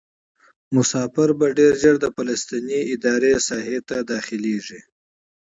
مسافر به ډېر ژر د فلسطیني ادارې ساحې ته داخلیږي.